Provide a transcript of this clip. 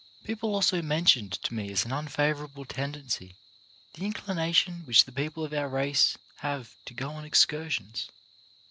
People also mentioned to me as an unfavourable tendency the inclination which the people of our race have to go on excursions.